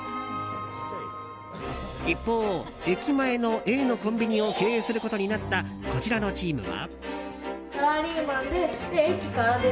一方、駅前のＡのコンビニを経営することになったこちらのチームは。